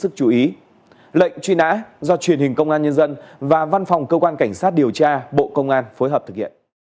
chú ý lệnh truy nã do truyền hình công an nhân dân và văn phòng cơ quan cảnh sát điều tra bộ công an phối hợp thực hiện